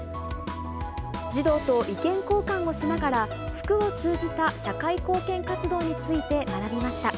児童と意見交換をしながら、服を通じた社会貢献活動について学びました。